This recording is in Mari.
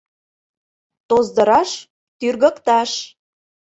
Тоздыраш — тӱргыкташ.